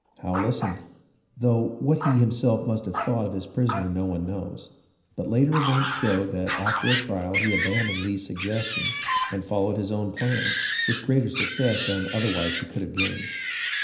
Howe listened, though what he himself must have thought of his prisoner no one knows ; but later events showed that after a trial he abandoned Lee's suggestions and followed his own plans, with greater success than otherwise he could have gained.